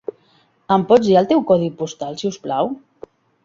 Em pots dir el teu codi postal si us plau?